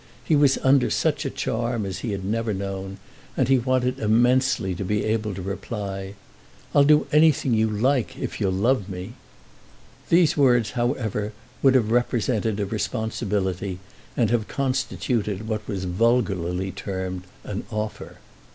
He was under such a charm as he had never known, and he wanted immensely to be able to reply: "I'll do anything you like if you'll love me." These words, however, would have represented a responsibility and have constituted what was vulgarly termed an offer.